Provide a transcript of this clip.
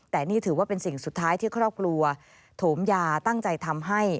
แต่นี่ถือว่าเป็นสิ่งสุดท้ายที่ครอบครัวโถมยาตั้งใจทำให้